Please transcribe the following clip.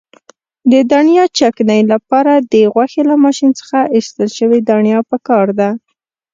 د دڼیا چکنۍ لپاره د غوښې له ماشین څخه ایستل شوې دڼیا پکار ده.